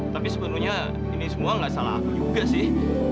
tapi sebetulnya ini semua gak salah aku juga sih